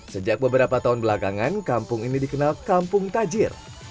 sejak beberapa tahun belakangan kampung ini dikenal kampung tajir